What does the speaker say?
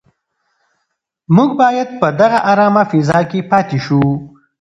موږ باید په دغه ارامه فضا کې پاتې شو.